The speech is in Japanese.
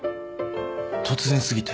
突然過ぎて。